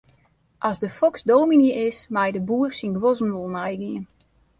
As de foks dominy is, mei de boer syn guozzen wol neigean.